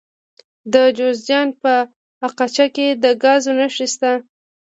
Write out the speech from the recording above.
د جوزجان په اقچه کې د ګازو نښې شته.